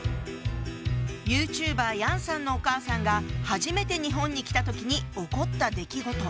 ユーチューバー楊さんのお母さんが初めて日本に来た時に起こった出来事。